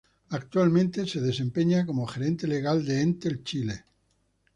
Actualmente se desempeña como gerente legal de Entel Chile.